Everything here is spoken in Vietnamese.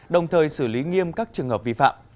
đồng thời xử lý nghiêm các trường hợp vi phạm